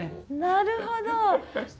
なるほど！